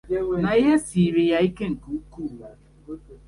na ihe siiri ya ike nke ukwuu